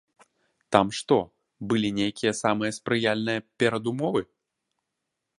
Там што, былі нейкія самыя спрыяльныя перадумовы?